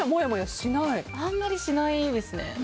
あんまりしないですね。